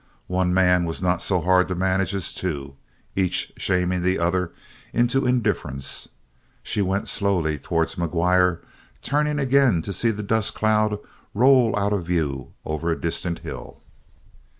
One man was not so hard to manage as two, each shaming the other into indifference. She went slowly towards McGuire, turning again to see the dust cloud roll out of view over a distant hill.